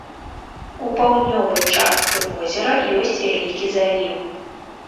У паўднёвай частцы возера ёсць вялікі заліў.